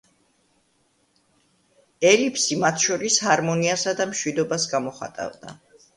ელიფსი მათ შორის ჰარმონიასა და მშვიდობას გამოხატავდა.